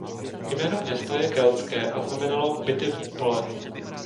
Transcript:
Jméno města je keltské a znamenalo „bitevní pole“.